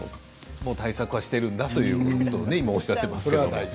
もう対策はしているんだということを今おっしゃっていますけど。